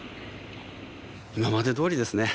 今までどおりですね。